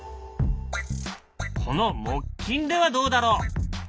この木琴ではどうだろう？